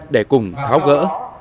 để cùng tháo gỡ